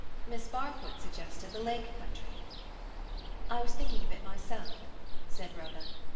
Miss Barfoot suggested the lake country. "I was thinking of it myself," said Rhoda.